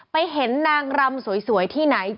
ไปเห็นนางรำสวยที่ไหน